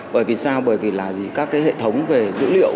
bởi vì sao bởi vì các hệ thống về dữ liệu